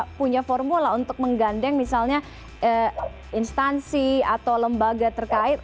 kita punya formula untuk menggandeng misalnya instansi atau lembaga terkait